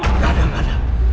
gak ada gak ada